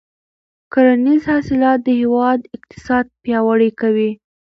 کرنیز حاصلات د هېواد اقتصاد پیاوړی کوي.